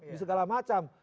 di segala macam